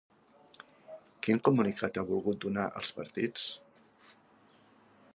Quin comunicat ha volgut donar als partits?